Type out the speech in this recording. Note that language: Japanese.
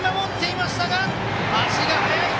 足が速い！